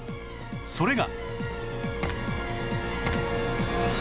それが